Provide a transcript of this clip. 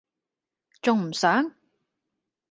重唔上?